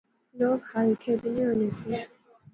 لوک ہل کھیدنے ہونے سے